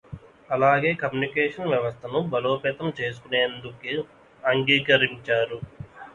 అలాగే కమ్యూనికేషన్ వ్యవస్థను బలోపేతం చేసుకొనేందుకు అంగీకరించారు.